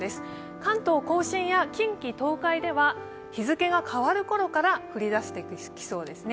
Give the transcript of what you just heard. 関東・甲信や近畿・東海では日付が変わるころから降り出してきそうです。